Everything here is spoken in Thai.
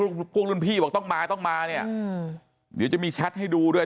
พวกพวกรุ่นพี่บอกต้องมาต้องมาเนี่ยเดี๋ยวจะมีแชทให้ดูด้วย